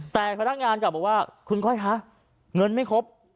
แต่พนักงานกลับบอกว่าคุณก้อยคะเงินไม่ครบ